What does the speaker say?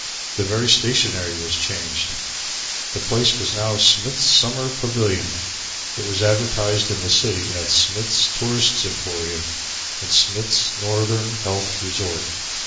The very stationery was changed. The place was now Smith's Summer Pavilion. It was advertised in the city as Smith's Tourists' Emporium, and Smith's Northern Health Resort.